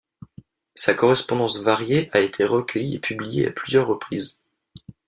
Sa correspondance variée a été recueillie et publiée à plusieurs reprises.